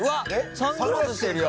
サングラスしてるよ？